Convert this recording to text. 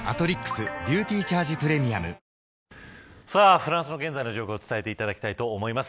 フランスの現在の状況を伝えていただきたいと思います。